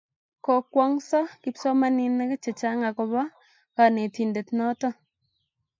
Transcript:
Kokwong'so kipsomaninik chechang' akopo kanetindet notok